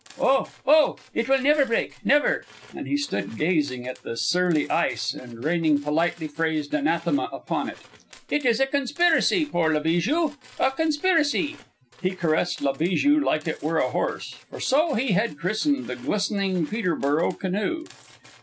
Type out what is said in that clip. "Oh! Oh! It will never break! Never!" And he stood gazing at the surly ice and raining politely phrased anathema upon it. "It is a conspiracy, poor La Bijou, a conspiracy!" He caressed La Bijou like it were a horse, for so he had christened the glistening Peterborough canoe.